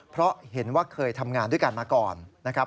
เพราะเห็นว่าเคยทำงานด้วยกันมาก่อนนะครับ